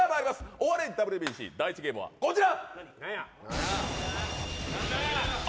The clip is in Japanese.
お笑いＷＢＣ第１ゲームは、こちら。